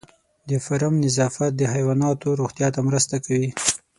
د فارم نظافت د حیواناتو روغتیا ته مرسته کوي.